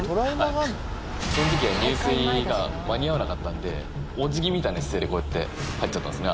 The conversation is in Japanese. はいその時は入水が間に合わなかったんでおじぎみたいな姿勢でこうやって入っちゃったんすね